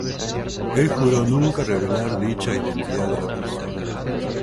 Él juró nunca revelar dicha identidad de la persona.